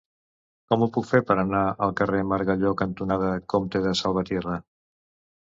Com ho puc fer per anar al carrer Margalló cantonada Comte de Salvatierra?